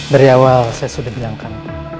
dari awal saya sudah bilangkan